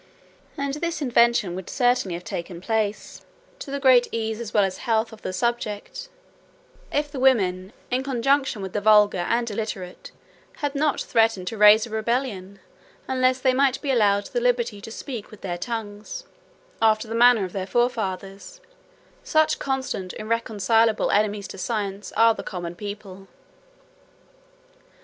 And this invention would certainly have taken place, to the great ease as well as health of the subject, if the women, in conjunction with the vulgar and illiterate, had not threatened to raise a rebellion unless they might be allowed the liberty to speak with their tongues, after the manner of their forefathers; such constant irreconcilable enemies to science are the common people.